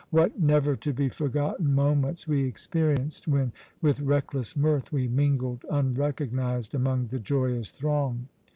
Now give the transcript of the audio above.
What never to be forgotten moments we experienced when, with reckless mirth, we mingled unrecognized among the joyous throng!